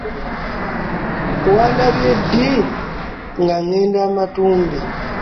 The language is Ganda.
Wandabye ddi nga ŋŋenda amatumbi?